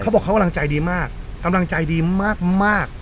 บอกเขากำลังใจดีมากกำลังใจดีมาก